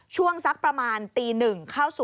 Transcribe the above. ช่วงสักประมาณตีหนึ่งเข้าสู่